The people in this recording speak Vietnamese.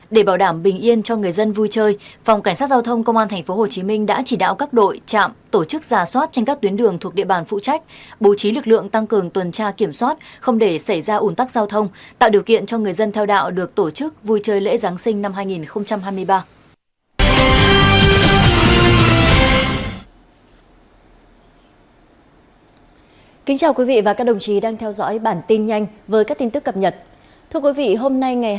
để bảo đảm bình yên cho người dân vui chơi phòng cảnh sát giao thông công an tp hcm đã chỉ đạo các đội trạm tổ chức ra soát trên các tuyến đường thuộc địa bàn phụ trách bố trí lực lượng tăng cường tuần tra kiểm soát không để xảy ra ủn tắc giao thông tạo điều kiện cho người dân theo đạo được tổ chức vui chơi lễ giáng sinh năm hai nghìn hai mươi ba